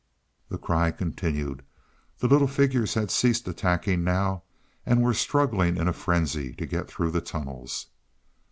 The cry continued. The little figures had ceased attacking now and were struggling in a frenzy to get through the tunnels.